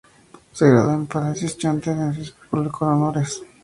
Se graduó en la Palisades Charter High School con honores.